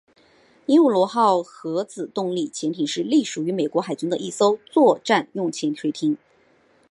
鹦鹉螺号核子动力潜艇是隶属于美国海军的一艘作战用潜水艇。